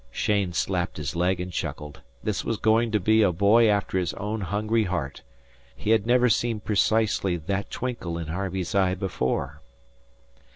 Cheyne slapped his leg and chuckled. This was going to be a boy after his own hungry heart. He had never seen precisely that twinkle in Harvey's eye before.